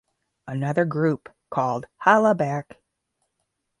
Another group called Hollaback!